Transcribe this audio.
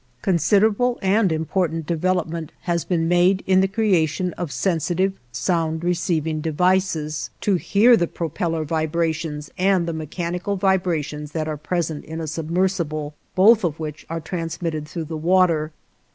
Considerable and important development has been made in the creation of sensitive sound receiving devices, to hear the propeller vibrations and the mechanical vibrations that are present in a submersible, both of which are transmitted through the water.